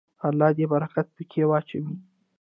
الله دې برکت پکې واچوي.